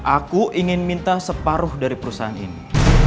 aku ingin minta separuh dari perusahaan ini